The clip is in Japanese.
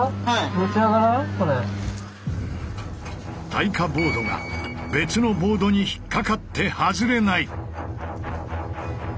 耐火ボードが別のボードに引っ掛かって外れない。